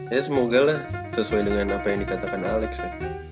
ya semoga lah sesuai dengan apa yang dikatakan alex ya